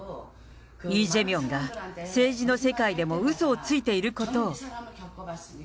イ・ジェミョンが政治の世界でもうそをついていることを。